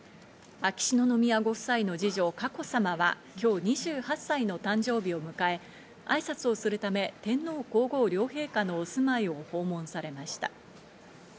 秋篠宮ご夫妻の二女・佳子さまは今日２８歳の誕生日を迎え、挨拶をするため、天皇皇后両陛下のお住まいを訪問されました。